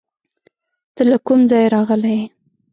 ته له کوم ځایه راغلی یې؟